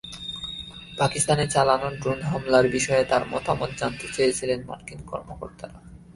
পাকিস্তানে চালানো ড্রোন হামলার বিষয়ে তাঁর মতামত জানতে চেয়েছিলেন মার্কিন কর্মকর্তারা।